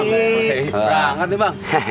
berangkat ya bang